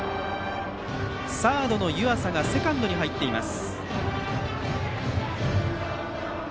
サードの湯浅がセカンドに入っています。